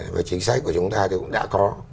và chính sách của chúng ta thì cũng đã có